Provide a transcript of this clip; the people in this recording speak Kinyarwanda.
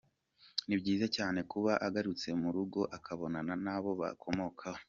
Ni byiza cyane kuba agarutse mu rugo akabonana n’abo akomokaho.